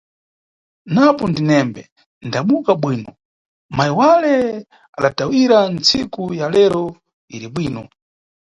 Napo ndinembo ndamuka bwino, mayi wale adatayira, ntsiku ya lero iri bwino.